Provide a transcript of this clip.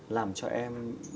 làm cho em